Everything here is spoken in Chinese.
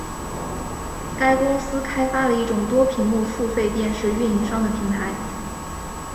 该公司开发了一种多屏幕付费电视运营商的平台。